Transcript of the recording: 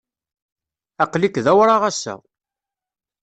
Aql-ik d awraɣ ass-a.